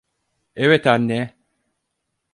Evet anne.